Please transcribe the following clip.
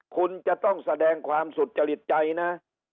คุณจะต้องแสดงความสุจริตใจนะ